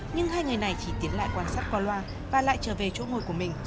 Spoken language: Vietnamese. nhưng hai người này chỉ tiến lại quan sát qua loa và lại trở về chỗ ngồi của mình